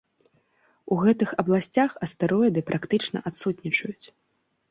У гэтых абласцях астэроіды практычна адсутнічаюць.